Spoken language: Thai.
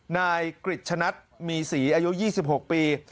นายกริจชนัดมีศรีอายุ๒๖ปี